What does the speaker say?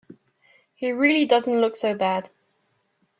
He really doesn't look so bad.